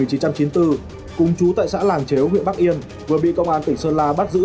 cùng chú tại xã làng chéo huyện bắc yên vừa bị công an tỉnh sơn la bắt giữ